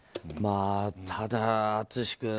ただ、淳君。